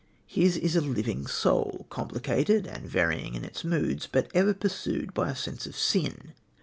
His is a living soul, complicated and varying in its moods, but ever pursued by a sense of sin.